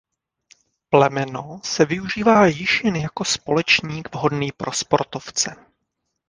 Plemeno se využívá již jen jako společník vhodný pro sportovce.